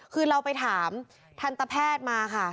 คือเราไปถามทันตแพทย์มาค่ะ